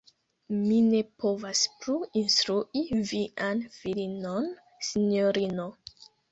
Mi ne povas plu instrui vian filinon, sinjorino.